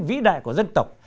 vĩ đại của dân tộc